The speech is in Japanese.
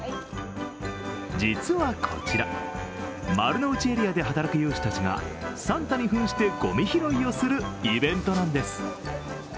実はこちら、丸の内エリアで働く有志たちがサンタに扮してごみ拾いをするイベントなんです。